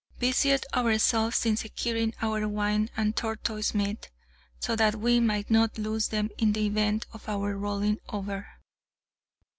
Busied ourselves in securing our wine and tortoise meat, so that we might not lose them in the event of our rolling over.